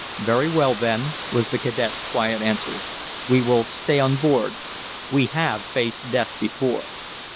"Very well, then," was the cadet's quiet answer, "we will stay on board. We have faced death before."